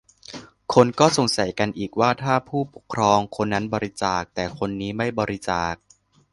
คนก็สงสัยกันอีกว่า ถ้าผู้ปกครองคนนั้นบริจาค แต่คนนี้ไม่บริจาค